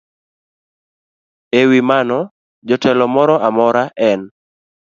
E wi mano, jatelo moro amora e m